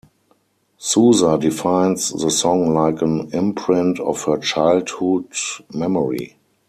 Souza defines the song like an imprint of her childhood memory.